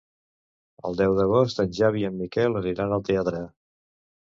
El deu d'agost en Xavi i en Miquel aniran al teatre.